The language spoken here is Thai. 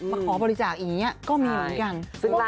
มาขอบริจาคอย่างนี้ก็มีหรือยัง